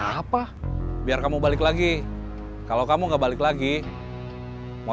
stepped off sudah abis setelah atauavian hmm